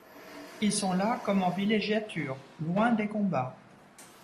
Ils sont là comme en villégiature, loin des combats.